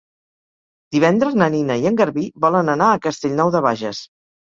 Divendres na Nina i en Garbí volen anar a Castellnou de Bages.